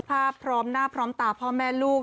พร้อมหน้าพร้อมตาพ่อแม่ลูก